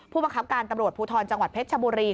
ผู้บังคับการตำรวจภูทรจังหวัดเพชรชบุรี